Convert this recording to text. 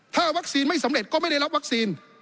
ถ้าวัคซีนไม่สำเร็จก็ไม่ได้รับวัคซีน